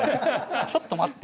ちょっと待って。